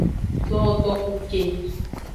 Towo toxu ke.